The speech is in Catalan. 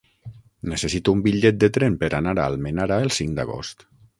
Necessito un bitllet de tren per anar a Almenara el cinc d'agost.